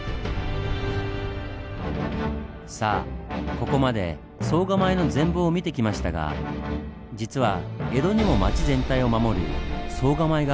さあここまで総構の全貌を見てきましたが実は江戸にも町全体を守る総構がある事ご存じですか？